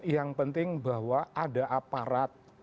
yang penting bahwa ada aparat